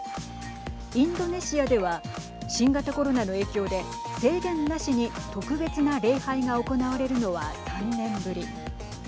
インドネシアでは新型コロナの影響で制限なしに特別な礼拝が行われるのは３年ぶり。